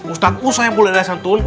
ustak usah yang mulai nasantun